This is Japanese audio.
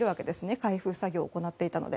開封作業を行っていたので。